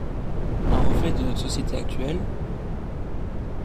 Un reflet de notre société actuelle?